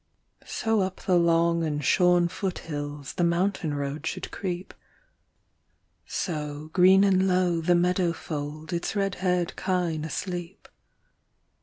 So up the long and shorn foot hills The mountain road should creep; So, green and low, the meadow fold Its red haired kine asleep.